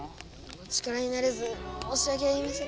お力になれず申し訳ありません。